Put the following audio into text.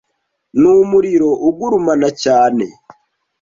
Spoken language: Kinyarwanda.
Ni Umuriro ugurumana cyane